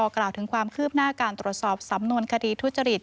กล่าวถึงความคืบหน้าการตรวจสอบสำนวนคดีทุจริต